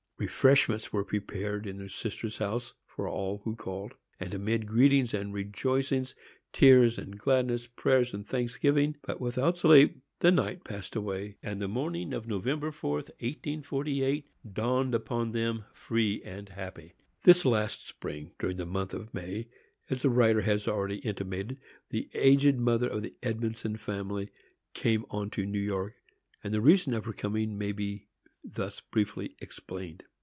Refreshments were prepared in their sister's house for all who called, and amid greetings and rejoicings, tears and gladness, prayers and thanksgivings, but without sleep, the night passed away, and the morning of November 4, 1848, dawned upon them free and happy. This last spring, during the month of May, as the writer has already intimated, the aged mother of the Edmondson family came on to New York, and the reason of her coming may be thus briefly explained.